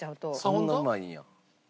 そんなうまいんや。